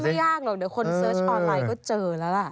มีจังงว่าไม่ยากหรอกเดี๋ยวคนเสิร์ชออนไลน์ก็เจอแล้วล่ะ